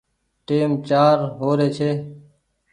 ٽيم چآر هو ري ڇي